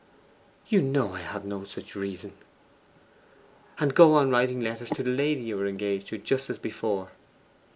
'You know I have no such reason.' 'And go on writing letters to the lady you are engaged to, just as before.